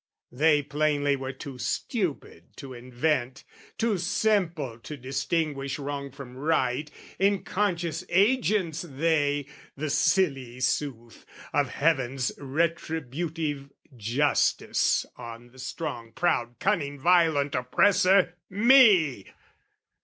They plainly were too stupid to invent, Too simple to distinguish wrong from right, Inconscious agents they, the silly sooth, Of heaven's retributive justice on the strong Proud cunning violent oppressor me!